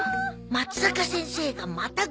「まつざか先生がまた合コン」と。